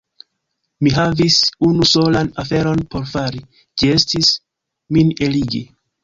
Mi havis unu solan aferon por fari: ĝi estis, min eligi.